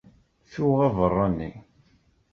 Tuɣ abeṛṛani.